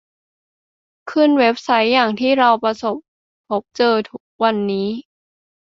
ขึ้นเว็บไซต์อย่างที่เราประสบพบเจอทุกวันนี้